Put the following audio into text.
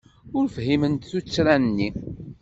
Ur fhimen tuttra-nni.